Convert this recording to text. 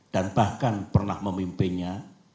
dan bahkan pernah memimpinnya